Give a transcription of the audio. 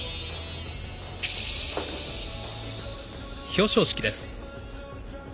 表彰式です。